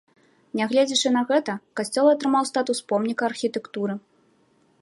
Нягледзячы на гэта, касцёл атрымаў статус помніка архітэктуры.